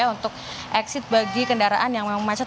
untuk exit bagi kendaraan yang memang macet